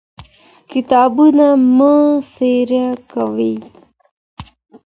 کتابونه مه څيرې کوئ.